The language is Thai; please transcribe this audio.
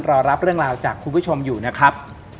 รอรับเรื่องราวจากคุณผู้ชมอยู่นะครับ